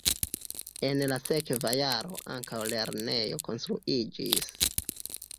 En la sekva jaro ankaŭ lernejo konstruiĝis.